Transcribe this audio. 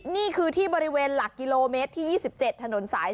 นี่คือที่บริเวณหลักกิโลเมตรที่๒๗ถนนสาย๔